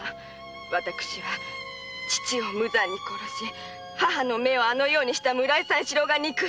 私は父を殺し母の目をあのようにした村井が憎い。